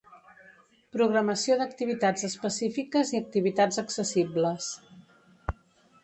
Programació d'activitats específiques i activitats accessibles.